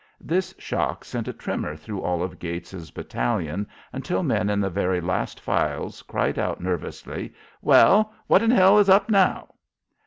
This shock sent a tremor through all of Gates's battalion until men in the very last files cried out nervously, "Well, what in hell is up now?"